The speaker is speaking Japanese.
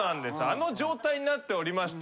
あの状態になっておりました。